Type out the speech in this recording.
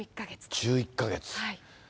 １１か月。